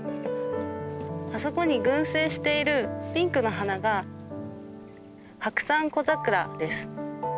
あそこに群生しているピンクの花がハクサンコザクラです。